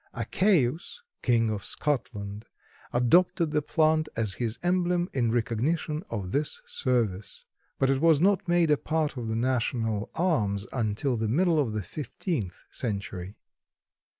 Achaius, King of Scotland, adopted the plant as his emblem in recognition of this service, but it was not made a part of the national arms until the middle of the fifteenth century.